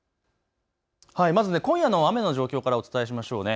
まず今夜の雨の状況からお伝えしましょうね。